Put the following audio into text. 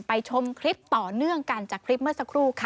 ชมคลิปต่อเนื่องกันจากคลิปเมื่อสักครู่ค่ะ